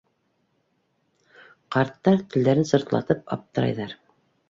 Ҡарттар телдәрен сыртлатып аптырайҙар.